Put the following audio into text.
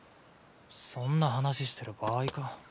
そんな話してる場合か。